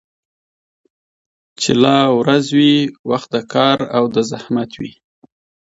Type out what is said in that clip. چي لا ورځ وي وخت د كار او د زحمت وي